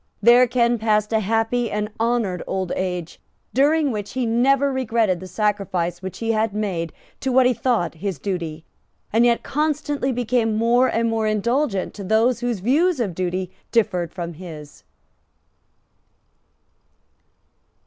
There Ken passed a happy and honoured old age, during which he never regretted the sacrifice which he had made to what he thought his duty, and yet constantly became more and more indulgent to those whose views of duty differed from his.